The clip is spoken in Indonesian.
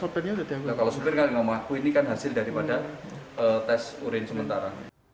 kalau sopir tidak mengakui ini kan hasil daripada tes urin sementara